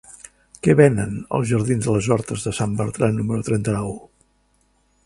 Què venen als jardins de les Hortes de Sant Bertran número trenta-nou?